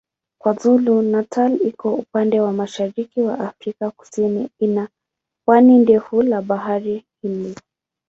KwaZulu-Natal iko upande wa mashariki wa Afrika Kusini ina pwani ndefu la Bahari Hindi.